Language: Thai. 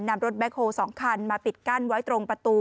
นำรถแคล๒คันมาปิดกั้นไว้ตรงประตู